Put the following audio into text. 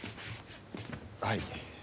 はい。